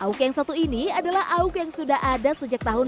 awuk yang satu ini adalah awuk yang sudah ada sejak tahun delapan puluh an